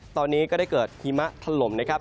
ตอนนี้ก็ได้เกิดหิมะถล่มนะครับ